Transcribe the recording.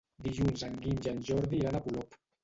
Dilluns en Guim i en Jordi iran a Polop.